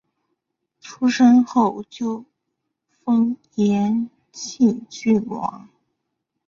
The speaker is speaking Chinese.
出生后就封延庆郡王。